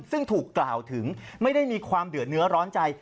ซึ่งถูกกล่าวถึงไม่ได้มีความเดือดเนื้อร้อนใจ